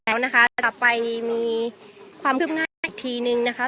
แล้วนะคะต่อไปมีความชื้มง่ายอีกทีหนึ่งนะคะ